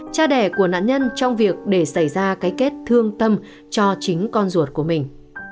cha đẻ của nạn nhân trong việc để xảy ra cái kết thương tâm cho chính con ruột của mình